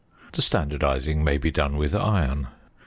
The standardising may be done with iron.